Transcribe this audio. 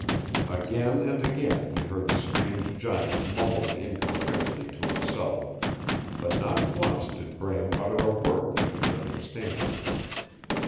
Again and again he heard the strange giant mumbling incoherently to himself, but not once did Bram utter a word that he could understand.